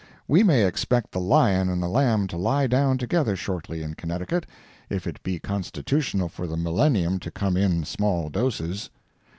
We may expect the lion and the lamb to lie down together shortly in Connecticut, if it be constitutional for the Millenium to come in small doses.